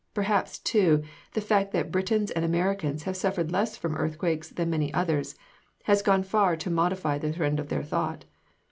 Perhaps, too, the fact that Britons and Americans have suffered less from earthquakes than many others, has gone far to modify the trend of their thought.